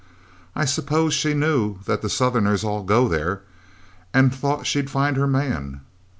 I suppose she knew that the Southerners all go there, and thought she'd find her man.